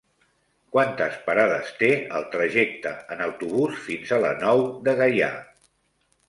Quantes parades té el trajecte en autobús fins a la Nou de Gaià?